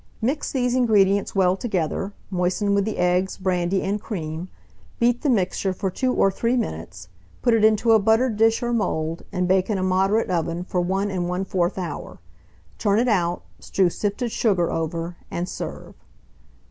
Mix these ingredients well together, moisten with the eggs, brandy, and cream; beat the mixture for 2 or 3 minutes, put it into a buttered dish or mould, and bake in a moderate oven for 1 1/4 hour. Turn it out, strew sifted sugar over, and serve.